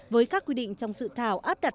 với các quy định trong dự thảo áp đặt